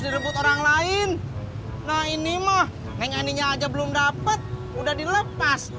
direbut orang lain nah ini mah ngenyanyinya aja belum dapat udah dilepas